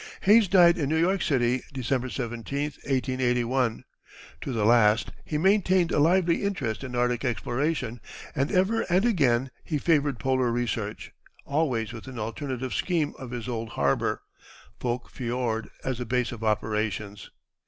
Hayes died in New York City, December 17, 1881. To the last he maintained a lively interest in Arctic exploration, and ever and again he favored polar research, always with an alternative scheme of his old harbor, Foulke fiord, as the base of operations.